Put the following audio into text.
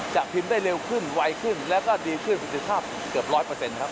จะพิมพ์ได้เร็วขึ้นไวขึ้นแล้วก็ดีขึ้นประสิทธิภาพเกือบร้อยเปอร์เซ็นต์ครับ